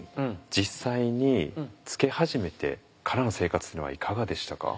実際につけ始めてからの生活っていうのはいかがでしたか？